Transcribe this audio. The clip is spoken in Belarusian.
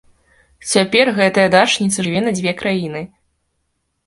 Цяпер гэтая дачніца жыве на дзве краіны.